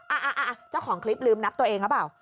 อ่ะเจ้าของคลิปลืมนับตัวเองหรือเปล่า